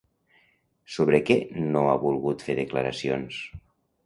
Sobre què no ha volgut fer declaracions?